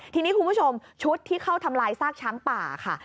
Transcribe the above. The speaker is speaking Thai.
ทีนี้คุณผู้ชมชุดที่เข้าทำลายซากช้างป่าค่ะ